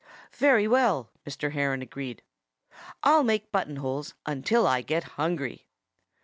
"Very well!" Mr. Heron agreed. "I'll make button holes until I get hungry."